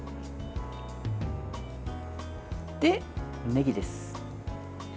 で、ねぎです。